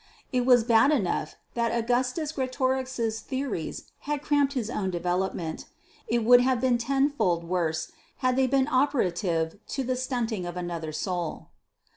It was bad enough that Augustus Greatorex's theories had cramped his own development; it would have been ten fold worse had they been operative to the stunting of another soul.